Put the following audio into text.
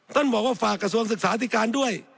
บอกว่าฝากกระทรวงศึกษาธิการด้วย